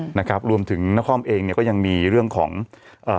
ฮะนะครับรวมถึงเนอะครอบท์เองเนี้ยก็ยังมีเรื่องของอ่า